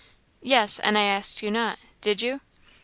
"Yes, and I asked you not. Did you?"